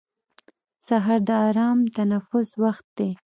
سهار د ارام تنفس وخت دی.